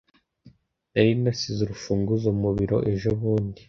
Nari nasize urufunguzo mu biro ejobundi.